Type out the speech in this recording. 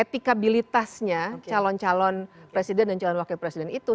etikabilitasnya calon calon presiden dan calon wakil presiden itu